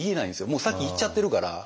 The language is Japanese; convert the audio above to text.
もう先いっちゃってるから。